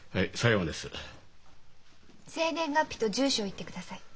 生年月日と住所を言ってください。